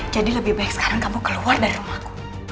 jadi lebih baik sekarang kamu keluar dari rumah aku